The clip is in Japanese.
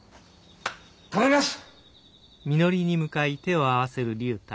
頼みます！